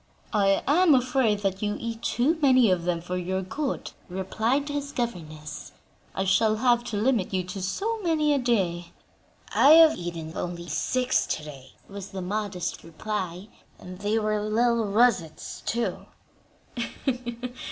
"I am afraid that you eat too many of them for your good," replied his governess; "I shall have to limit you to so many a day." "I have eaten only six to day," was the modest reply, "and they were little russets, too."